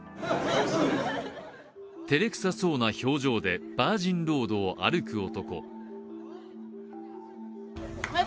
照れくさそうな表情でバージンロードを歩く男。